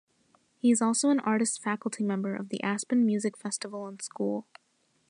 He is also an artist-faculty member of the Aspen Music Festival and School.